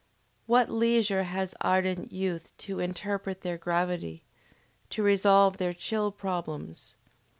What leisure has ardent youth to interpret their gravity, to resolve their chill problems?